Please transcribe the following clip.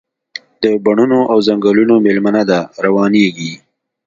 د بڼوڼو او ځنګلونو میلمنه ده، روانیږي